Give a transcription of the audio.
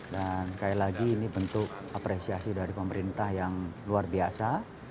dan sekali lagi ini bentuk apresiasi dari pemerintah yang luar biasa